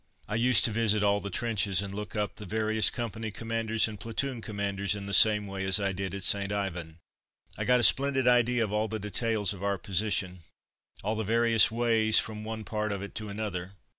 I used to visit all the trenches, and look up the various company commanders and platoon commanders in the same way as I did at St. Yvon. I got a splendid idea of all the details of our position; all the various ways from one part of it to another.